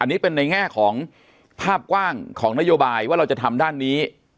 อันนี้เป็นในแง่ของภาพกว้างของนโยบายว่าเราจะทำด้านนี้